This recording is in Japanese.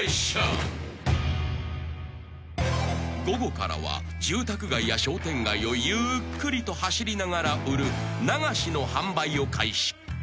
［午後からは住宅街や商店街をゆっくりと走りながら売る流しの販売を開始］